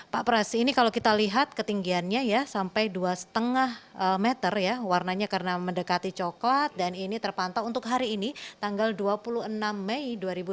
pak pras ini kalau kita lihat ketinggiannya ya sampai dua lima meter ya warnanya karena mendekati coklat dan ini terpantau untuk hari ini tanggal dua puluh enam mei dua ribu dua puluh